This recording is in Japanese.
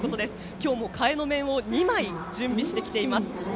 今日も替えの面を２枚準備しています。